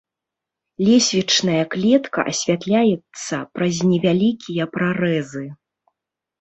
Лесвічная клетка асвятляецца праз невялікія прарэзы.